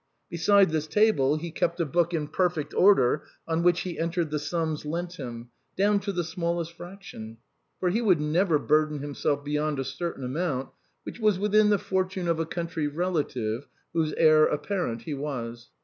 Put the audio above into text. Beside this table, he kept a book, in perfect order, on which he entered the sums lent him, down to the smallest fraction; for he would never burden himself be yond a certain amount which was within the fortune of a country relative, whose heir apparent he was.